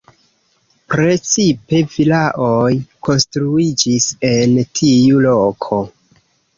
Precipe vilaoj konstruiĝis en tiu loko.